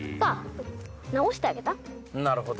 なるほど。